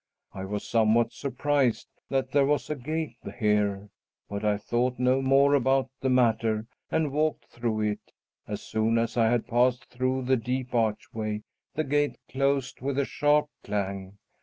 I was somewhat surprised that there was a gate here, but I thought no more about the matter and walked through it. As soon as I had passed through the deep archway, the gate closed with a sharp clang.